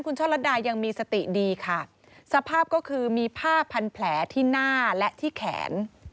คุณช่อลัดดายังมีสติดีค่ะสภาพก็คือมีผ้าพันแผลที่หน้าและที่แขน